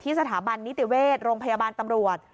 สถาบันนิติเวชโรงพยาบาลตำรวจ